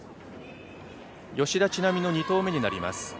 吉田知那美の２投目になります。